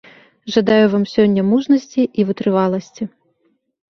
Жадаю вам сёння мужнасці і вытрываласці.